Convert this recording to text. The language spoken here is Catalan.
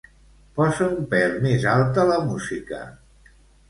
Posa un pèl més alta la música.